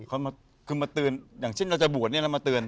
เขามาคือมาเตือนอย่างเช่นเราจะบวชเนี่ยเรามาเตือน